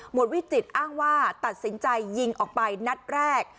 วิจิตรอ้างว่าตัดสินใจยิงออกไปนัดแรก